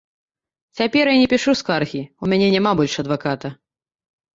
Цяпер я не пішу скаргі, у мяне няма больш адваката.